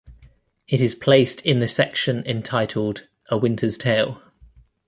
It is placed in the section entitled "A Winter's Tale".